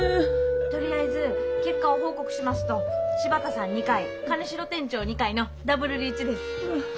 とりあえず結果を報告しますと柴田さん２回兼城店長２回のダブルリーチです。